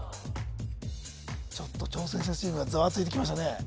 ちょっと挑戦者チームがざわついてきましたね